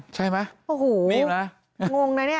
ใช่มั้ยงงนะเนี่ย